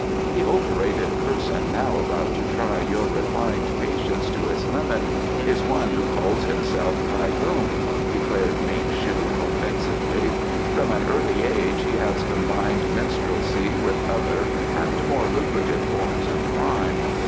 "The overrated person now about to try your refined patience to its limit is one who calls himself Kai Lung," declared Ming shu offensively. "From an early age he has combined minstrelsy with other and more lucrative forms of crime.